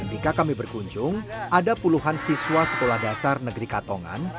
ketika kami berkunjung ada puluhan siswa sekolah dasar negeri katongan